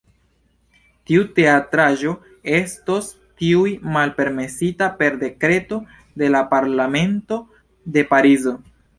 Tiu teatraĵo estos tuj malpermesita per Dekreto de la Parlamento de Parizo.